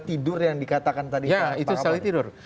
tidur yang dikatakan tadi pak raffan ya itu sel tidur